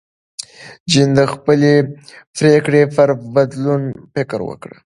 جین د خپلې پرېکړې پر بدلون فکر وکړ.